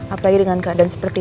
apalagi dengan keadaan seperti